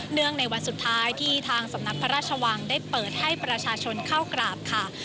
ในวันสุดท้ายที่ทางสำนักพระราชวังได้เปิดให้ประชาชนเข้ากราบค่ะ